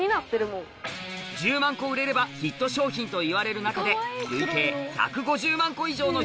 １０万個売れればヒット商品といわれる中で累計１５０万個以上のヒット商品を製造！